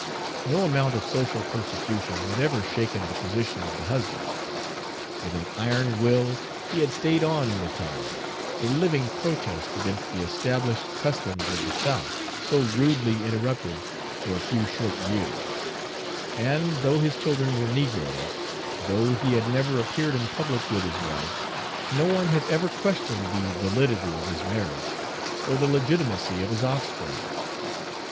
No amount of social persecution had ever shaken the position of the husband. With an iron will he had stayed on in the town, a living protest against the established customs of the South, so rudely interrupted for a few short years; and, though his children were negroes, though he had never appeared in public with his wife, no one had ever questioned the validity of his marriage or the legitimacy of his offspring.